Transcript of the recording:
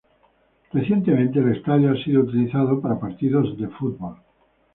Recientemente el estadio ha sido utilizado para partidos de fútbol.